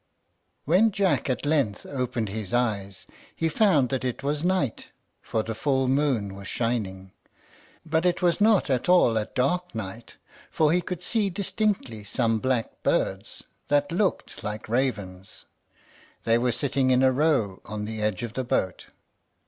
When Jack at length opened his eyes, he found that it was night, for the full moon was shining; but it was not at all a dark night, for he could see distinctly some black birds, that looked like ravens. They were sitting in a row on the edge of the boat.